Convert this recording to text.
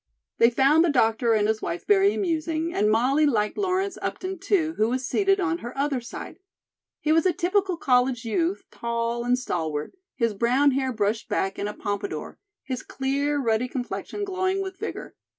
They found the doctor and his wife very amusing, and Molly liked Lawrence Upton, too, who was seated on her other side. He was a typical college youth, tall and stalwart, his brown hair brushed back in a pompadour, his clear, ruddy complexion glowing with vigor.